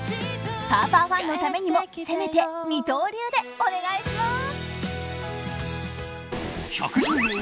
パーパーファンのためにもせめて二刀流でお願いします。